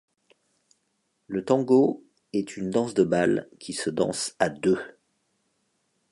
Le tango est une danse de bal qui se danse à deux.